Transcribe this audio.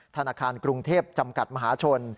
ธนาคารกรุงเทพจำกัดมหาชน